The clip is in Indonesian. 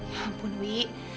ya ampun wi